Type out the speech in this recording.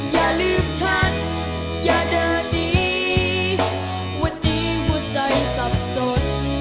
อย่าลืมฉันอย่าเดินดีวันนี้หัวใจสับสน